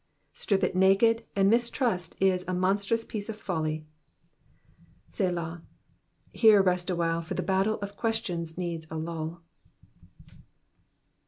Strip it naked, and mistrust is a monstrous piece of folly. ^^Selah, ^ Here rest awhile, for the battle of questions needs a lull.